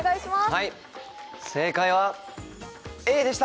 はい正解はＡでした！